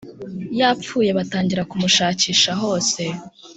yapfuye batangira kumushakisha hose